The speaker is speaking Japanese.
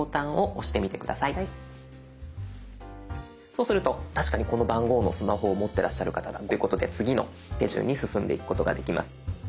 そうすると確かにこの番号のスマホを持ってらっしゃる方だということで次の手順に進んでいくことができます。